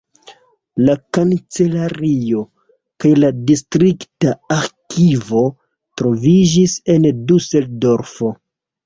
La kancelario kaj la distrikta arĥivo troviĝis en Duseldorfo.